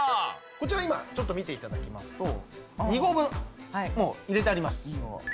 こちらは今ちょっと見て頂きますと２合分もう入れてあります。